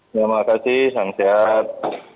terima kasih selamat sehat